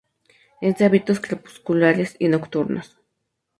Es de hábitos crepusculares y nocturnos.